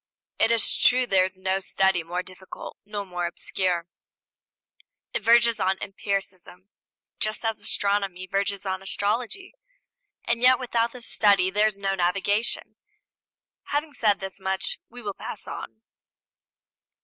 It is true there is no study more difficult nor more obscure; it verges on empiricism, just as astronomy verges on astrology; and yet without this study there is no navigation. Having said this much we will pass on.